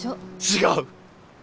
違う！